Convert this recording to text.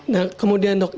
nah kemudian dok